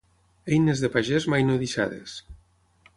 Eines de pagès mai no deixades.